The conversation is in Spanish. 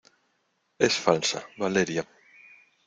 es falsa. Valeria .